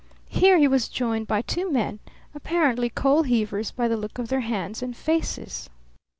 Here he was joined by two men, apparently coal heavers by the look of their hands and faces.